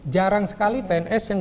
jarang sekali pns yang